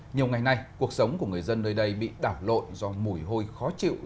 nhiều ngày nay cuộc sống của người dân nơi đây bị đảo lộn do mùi hôi khó chịu